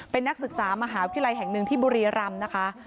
เป็นนักศึกษามหาวิทยาลัยแห่งหนึ่งที่บุรีรำนะคะ